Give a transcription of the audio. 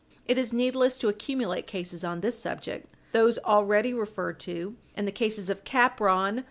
It is needless to accumulate cases on this subject. Those already referred to, and the cases of Capron v.